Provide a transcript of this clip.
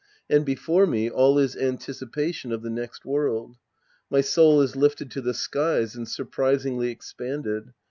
And before me, all is anticipation of the next world. My soul is lifted to the skies and surprisingly expanded.